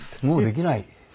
もうできない。